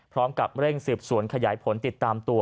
พร้อมกับเร่งสืบสวนขยายผลติดตามตัว